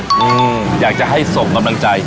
อืมอยากจะให้ส่งกำลังใจ